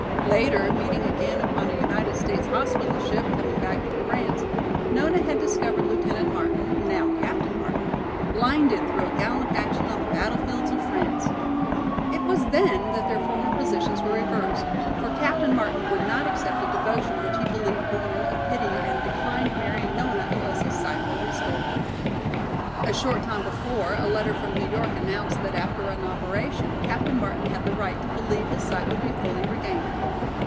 Later, meeting again upon a United States hospital ship, coming back from France, Nona had discovered Lieutenant Martin, now Captain Martin, blinded through a gallant action on the battlefields of France. It was then that their former positions were reversed, for Captain Martin would not accept a devotion which he believed born of pity and declined marrying Nona unless his sight were restored. A short time before a letter from New York announced that after an operation, Captain Martin had the right to believe his sight would be fully regained.